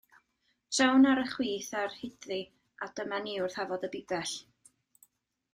Trown ar y chwith ar hyd-ddi, a dyma ni wrth Hafod y Bibell.